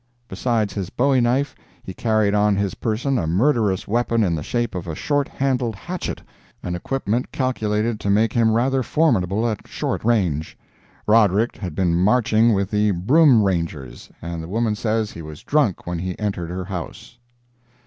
Besides his Bowie knife, he carried on his person a murderous weapon in the shape of a short handled hatchet—an equipment calculated to make him rather formidable at short range. Roderick had been marching with the Broom Rangers, and the woman says he was drunk when he entered her house.